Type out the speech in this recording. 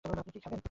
আপনি কী খাবেন?